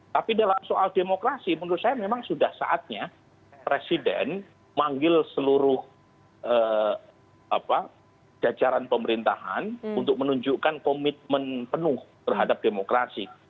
tapi dalam soal demokrasi menurut saya memang sudah saatnya presiden manggil seluruh jajaran pemerintahan untuk menunjukkan komitmen penuh terhadap demokrasi